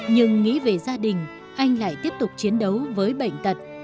nhưng nghĩ về gia đình anh lại tiếp tục chiến đấu với bệnh tật